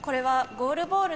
ゴールボール？